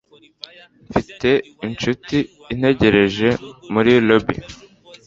Mfite inshuti antegereje muri lobby.